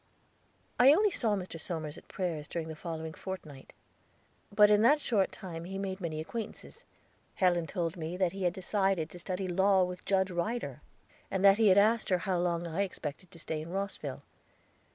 I only saw Mr. Somers at prayers during the following fortnight. But in that short time he made many acquaintances. Helen told me that he had decided to study law with Judge Ryder, and that he had asked her how long I expected to stay in Rosville.